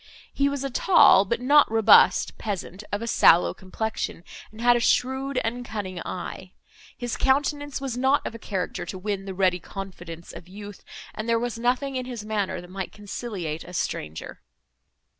He was a tall, but not robust, peasant, of a sallow complexion, and had a shrewd and cunning eye; his countenance was not of a character to win the ready confidence of youth, and there was nothing in his manner, that might conciliate a stranger.